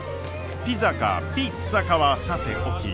ピザかピッツァかはさておき。